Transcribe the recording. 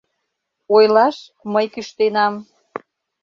Ойлаш: мый кӱштенам!